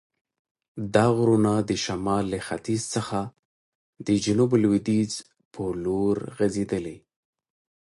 دا غرونه د شمال له ختیځ څخه د جنوب لویدیځ په لور غزیدلي.